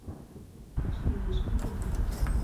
去年不是换电瓶